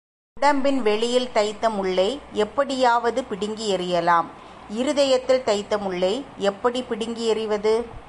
உடம்பின் வெளியில் தைத்த முள்ளை எப்படியாவது பிடுங்கி எறியலாம் இருதயத்தில் தைத்த முள்ளை எப்படிப் பிடுங்கி எறிவது?